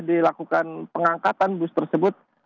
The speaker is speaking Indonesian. dilakukan pengangkatan bus tersebut